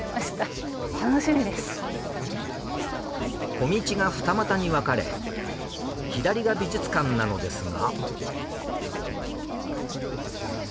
小道が二股に分かれ左が美術館なのですが。